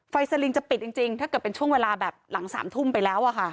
สลิงจะปิดจริงถ้าเกิดเป็นช่วงเวลาแบบหลัง๓ทุ่มไปแล้วอะค่ะ